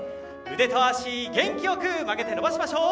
腕と脚、元気よく曲げて伸ばしましょう。